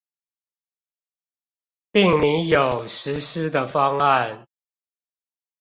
並擬有實施的方案